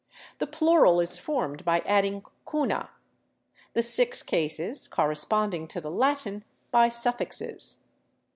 The plural is formed by adding cuna; the six cases, corresponding to the Latin, by suffixes.